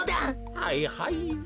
はいはい。